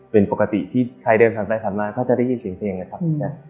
เป็นปกติที่ใครเดินผ่านไปผ่านมาก็จะได้ยินเสียงเพลงนะครับพี่แจ๊ค